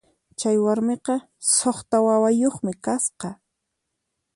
Chay warmiqa suqta wawayuqmi kasqa.